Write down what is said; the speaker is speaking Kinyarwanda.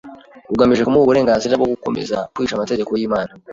ugamije kumuha uburenganzira bwo gukomeza kwica amategeko y’Imana